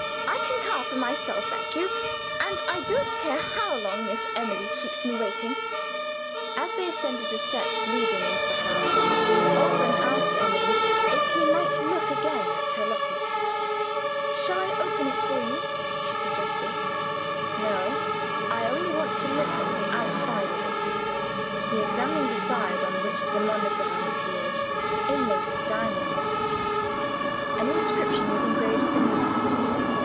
"I can carve for myself, thank you; and I don't care how long Miss Emily keeps me waiting." As they ascended the steps leading into the house, Alban asked Emily if he might look again at her locket. "Shall I open it for you?" she suggested. "No: I only want to look at the outside of it." He examined the side on which the monogram appeared, inlaid with diamonds. An inscription was engraved beneath.